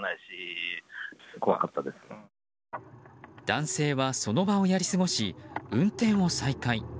男性はその場をやり過ごし運転を再開。